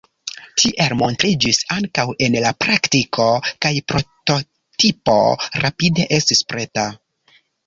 Tiel montriĝis ankaŭ en la praktiko, kaj prototipo rapide estis preta.